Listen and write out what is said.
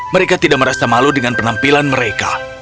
mereka tidak merasa malu dengan penampilan mereka